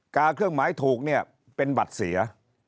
กาเครื่องหมายถูกเนี่ยเป็นบัตรเสีย